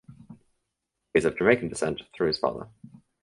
He is of Jamaican descent through his father.